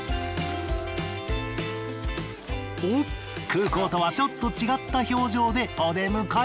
おっ空港とはちょっと違った表情でお出迎え。